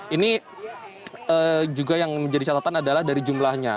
ini juga yang menjadi catatan adalah dari jumlahnya